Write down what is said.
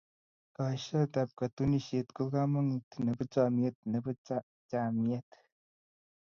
koashoet ab katunisiet ko kamangunet Nebo chamyet Nebo chamyet